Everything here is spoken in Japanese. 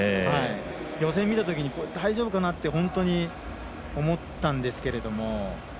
予選見たときに、大丈夫かなって本当に思ったんですけれども。